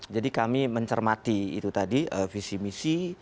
jadi kami mencermati itu tadi visi misi